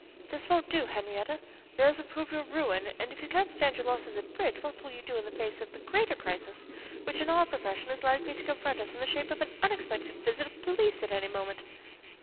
This won't do, Henriette. Nerves will prove your ruin, and if you can't stand your losses at bridge, what will you do in the face of the greater crisis which in our profession is likely to confront us in the shape of an unexpected visit of police at any moment?"